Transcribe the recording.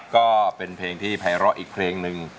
ก็เป็นเพลงที่ภัยร้ออีกเพลงหนึ่ง